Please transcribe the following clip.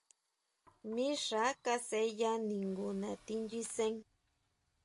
Mixa kasʼeya ningu nati nyisen.